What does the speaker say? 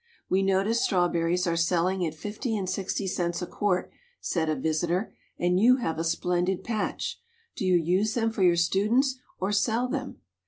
"We notice strawberries are selling at fifty and sixty cents a quart," said a visitor, "and you have a splendid patch. Do you use them for your students or sell them?"